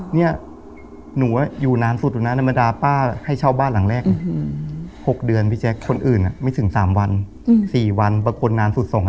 เนี่ยหนูอยู่นานสุดแล้วนะ